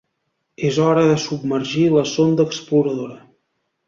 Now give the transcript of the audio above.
És hora de submergir la sonda exploradora.